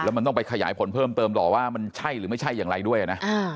มันต้องไปขยายผลเพิ่มเติมต่อว่ามันใช่หรือไม่ใช่อย่างไรด้วยนะ